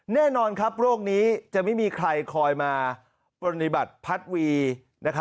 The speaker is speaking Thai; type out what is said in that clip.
แน่นอนครับโรคนี้จะไม่มีใครคอยมาปฏิบัติพัดวี